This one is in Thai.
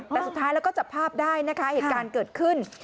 แต่สุดท้ายแล้วก็จับภาพได้นะคะเหตุการณ์เกิดขึ้น